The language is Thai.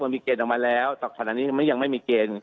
มีเกณฑ์ออกมาแล้วแต่ขณะนี้ยังไม่มีเกณฑ์